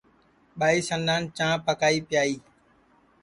ٻائی سنان چاں پکائی پیائی